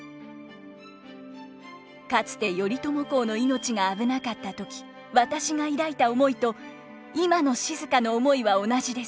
「かつて頼朝公の命が危なかった時私が抱いた思いと今の静の思いは同じです。